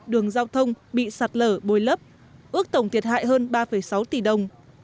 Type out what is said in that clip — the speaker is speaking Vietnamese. đường giao thông bị sạt lở bồi lấp ước tổng thiệt hại hơn ba sáu tỷ đồng